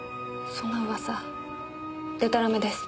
そんな噂でたらめです。